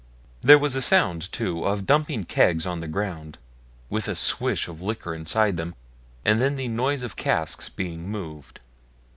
There was a sound, too, of dumping kegs down on the ground, with a swish of liquor inside them, and then the noise of casks being moved.